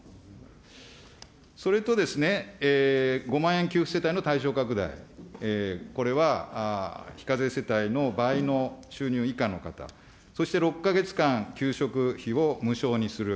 それとですね、５万円給付世帯の対象拡大、これは非課税世帯の場合の収入以下の方、そして６か月間、給食費を無償にする。